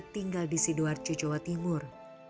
tinggal di sidoarjo jawa timur